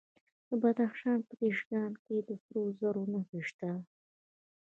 د بدخشان په تیشکان کې د سرو زرو نښې شته.